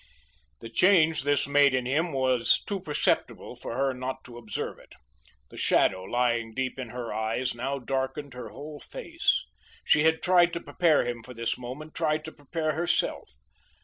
The change this made in him was too perceptible for her not to observe it. The shadow lying deep in her eyes now darkened her whole face. She had tried to prepare him for this moment; tried to prepare herself.